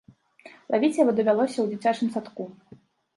Лавіць яго давялося ў дзіцячым садку.